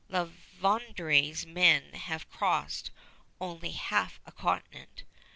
La Vérendrye's men have crossed only half a continent.